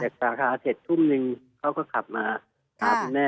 พอเสร็จจากสรรคาเจ็บทุ่มหนึ่งเขาก็ขับมาหาคุณแม่